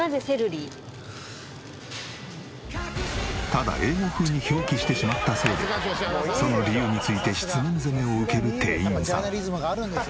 ただ英語風に表記してしまったせいでその理由について質問攻めを受ける店員さん。